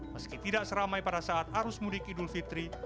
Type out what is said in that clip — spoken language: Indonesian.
meski tidak seramai pada saat arus mudik idul fitri